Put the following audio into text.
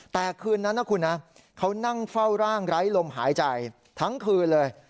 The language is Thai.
แต่คืนนั้นนะคุณนะเขานั่งเฝ้าร่างไร้ลมหายใจทั้งคืนเลย